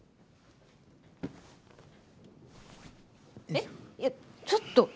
えっいやちょっと。